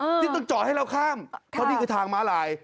ที่ต้องจอดให้เราข้ามเพราะนี่คือทางม้าลาย